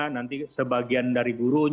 nanti sebagian dari guru